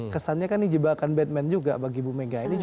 kesannya kan ini jebakan batman juga bagi ibu mega